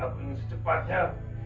aku ingin secepatnya